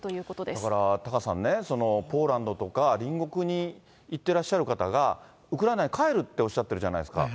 だからタカさんね、ポーランドとか隣国に行ってらっしゃる方が、ウクライナに帰るっておっしゃってるじゃないですか。